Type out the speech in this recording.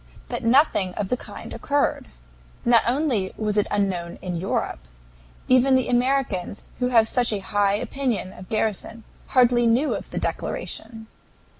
But nothing of the kind occurred. Not only was it unknown in Europe, even the Americans, who have such a high opinion of Garrison, hardly knew of the declaration.